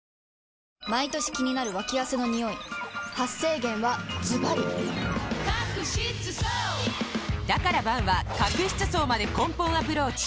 毎年気になるワキ汗のニオイ発生源はズバリだから「Ｂａｎ」は角質層まで根本アプローチ！